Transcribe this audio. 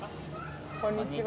こんにちは。